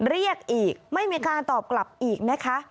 เรียกอีกไม่มีการตอบกลับอีกนะคะ